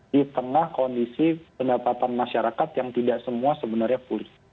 di tengah kondisi pendapatan masyarakat yang tidak semua sebenarnya pulih